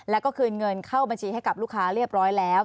แล้วก็คืนเงินเข้าบัญชีให้กับลูกค้าเรียบร้อยแล้ว